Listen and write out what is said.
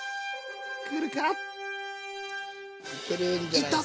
いった！